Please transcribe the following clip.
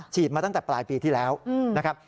มาตั้งแต่ปลายปีที่แล้วนะครับ